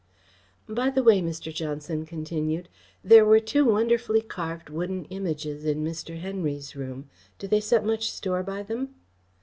"By the way," Mr. Johnson continued, "there were two wonderfully carved wooden Images in Mr. Henry's room. Do they set much store by them?"